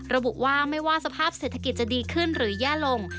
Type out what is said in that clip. ระบุว่าไม่ว่าสภาพเศรษฐกิจจะดีขึ้นหรือแย่ลง